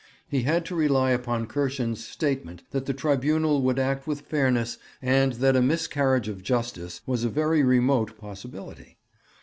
He had to rely upon Kirschen's statement that the tribunal would act with fairness, and that a miscarriage of justice was a very remote possibility.